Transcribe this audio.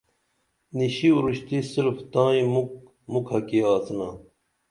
نِشی اُروشتی صرف تائی مُکھ مُکھہ کی آڅینا